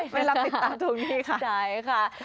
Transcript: ไม่รับติดตามช่วงนี้ค่ะ